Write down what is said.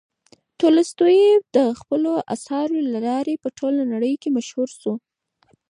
تولستوی د خپلو اثارو له لارې په ټوله نړۍ کې مشهور شو.